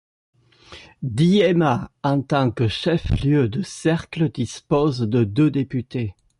Diéma en tant que chef-lieu de cercle dispose de deux députés.